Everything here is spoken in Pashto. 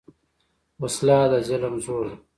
وسله د ظلم زور ده